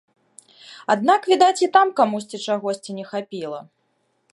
Аднак, відаць, і там камусьці чагосьці не хапіла.